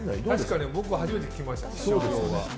確かに僕も初めて聞きました。